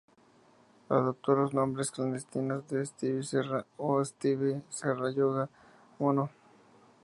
Adoptó los nombres clandestinos de Esteve Serra o Esteve Serrallonga Mono.